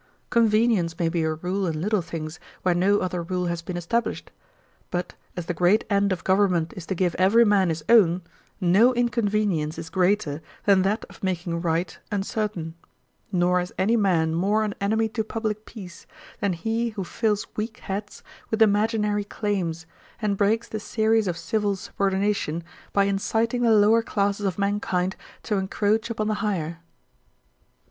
Convenience may be a rule in little things, where no other rule has been established. But as the great end of government is to give every man his own, no inconvenience is greater than that of making right uncertain. Nor is any man more an enemy to publick peace, than he who fills weak heads with imaginary claims, and breaks the series of civil subordination, by inciting the lower classes of mankind to encroach upon the higher.